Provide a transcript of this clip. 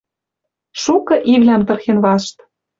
Шукы ивлӓм тырхен вашт.